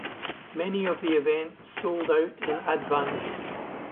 Many of the events sold out in advance.